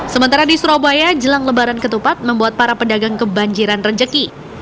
sementara di surabaya jelang lebaran ketupat membuat para pedagang kebanjiran rejeki